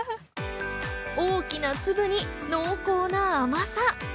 大きな粒に濃厚な甘さ。